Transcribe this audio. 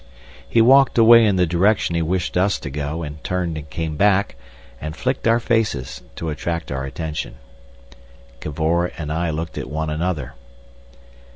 He walked away in the direction he wished us to go, and turned and came back, and flicked our faces to attract our attention. Cavor and I looked at one another.